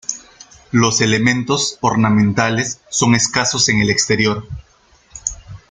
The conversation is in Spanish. Los elementos ornamentales son escasos en el exterior.